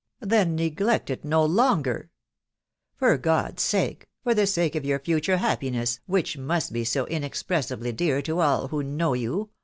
" Then neglect it no longer. .... For God's sake— for the sake of your future happiness, which must be so inex pressibly dear to all who know you